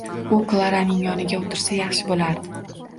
U Klaraning yoniga o’tirsa, yaxshi bo’lardi